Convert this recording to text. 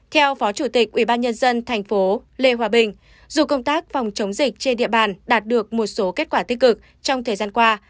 theo phó chủ tịch ubnd tp lê hòa bình dù công tác phòng chống dịch trên địa bàn đạt được một số kết quả tích cực trong thời gian qua